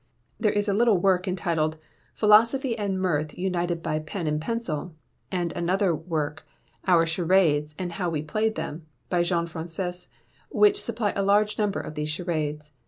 There is a little work entitled "Philosophy and Mirth united by Pen and Pencil," and another work, "Our Charades; and How we Played Them," by Jean Francis, which supply a large number of these Charades.